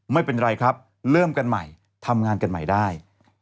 ไม่เป็นไรครับเริ่มกันใหม่ทำงานกันใหม่ได้